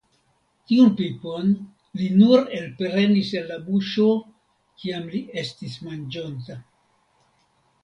Tiun pipon li nur elprenis el la buŝo, kiam li estis manĝonta.